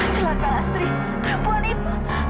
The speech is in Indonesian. celaka lastri perempuan itu